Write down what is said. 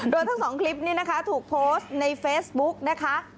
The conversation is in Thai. โดยทั้งสองคลิปนี้นะคะถูกโพสต์ในเฟซบุ๊กนะคะ